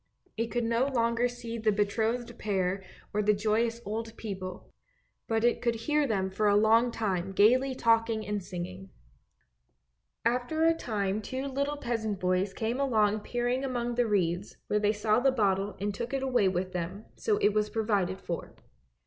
It could no longer see the betrothed pair or the joyous old people, but it could hear them for a long time gaily talking and singing. After a time two little peasant boys came along peering among the reeds where they saw the bottle and took it away with them, so it was provided for.